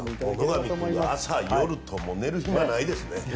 朝夜とも寝る暇ないですね。